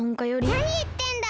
なにいってんだ！